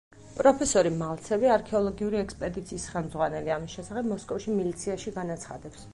პროფესორი მალცევი, არქეოლოგიური ექსპედიციის ხელმძღვანელი, ამის შესახებ მოსკოვში, მილიციაში განაცხადებს.